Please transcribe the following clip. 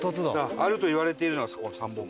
あるといわれているのはあそこの三本松。